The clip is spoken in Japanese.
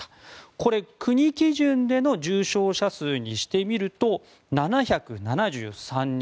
これ、国基準での重症者数にしてみると７７３人。